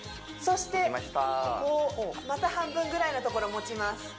そしてここをまた半分ぐらいのところを持ちます